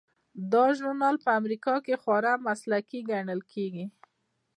دا ژورنال په امریکا کې خورا مسلکي ګڼل کیږي.